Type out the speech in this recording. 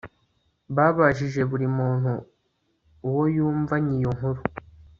babajije buri muntu uwo yumvanye iyo nkuru